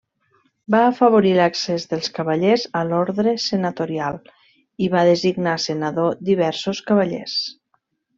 Va afavorir l'accés dels cavallers a l'ordre senatorial, i va designar senador diversos cavallers.